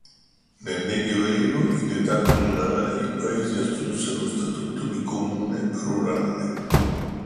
Nel medioevo in età comunale il paese assunse lo statuto di comune rurale.